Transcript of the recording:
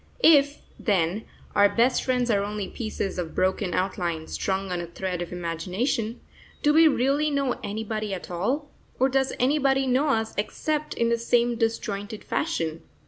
If, then, our best friends are only pieces of broken outline strung on a thread of imagination, do we really know anybody at all, or does anybody know us except in the same disjointed fashion?